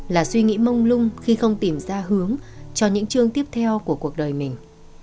là suy nghĩ mông lung khi không tìm ra hướng cho những chương tiếp theo của cuộc đời mình